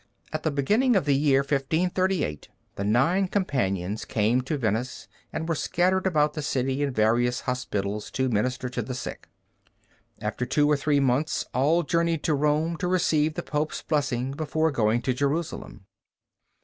At the beginning of the year 1538 the nine companions came to Venice and were scattered about the city in various hospitals to minister to the sick. After two or three months all journeyed to Rome to receive the Pope's blessing before going to Jerusalem.